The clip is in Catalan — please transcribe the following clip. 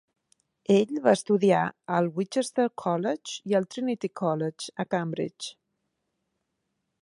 Ell va estudiar al Winchester College i al Trinity College, a Cambridge.